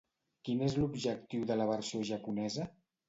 Quin és l'objectiu de la versió japonesa?